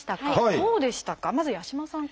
どうでしたか？